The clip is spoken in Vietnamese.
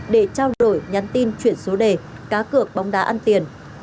để trao đổi nhắn tin chuyển số đề cá cược bóng đá ăn tiền